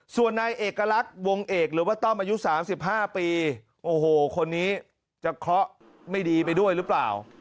ส่วนนายเอกลักษณ์วงเอกหรือว่าต้อมอายุ๓๕ปีโอ้โหคนนี้จะเคราะห์ไม่ดีไปด้วยหรือเปล่า